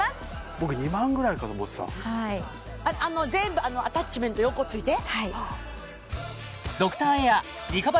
僕２万ぐらいかと思ってたはい全部あのアタッチメント４個ついて？